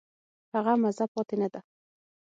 هغه مزه پاتې نه ده.